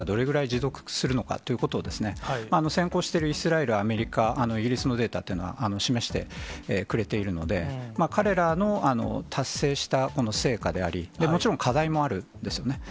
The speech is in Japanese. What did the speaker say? このワクチンの効果がどれぐらい持続するのかっていうことを、先行しているイスラエル、アメリカ、イギリスのデータというのが示してくれているので、彼らの達成した成果であり、もちろん、課題もあるんですよね。